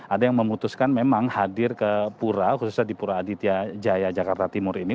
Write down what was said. ada yang memutuskan memang hadir ke pura khususnya di pura aditya jaya jakarta timur ini